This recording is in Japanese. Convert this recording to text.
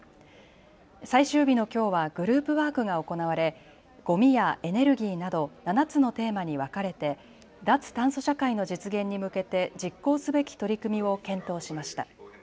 最終日のきょうはグループワークが行われごみやエネルギーなど７つのテーマに分かれて脱炭素社会の実現に向けて実行すべき取り組みを検討しました。